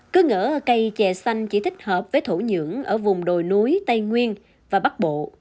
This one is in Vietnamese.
cứ ngỡ cây chè xanh chỉ thích hợp với thổ nhưỡng ở vùng đồi núi tây nguyên và bắc bộ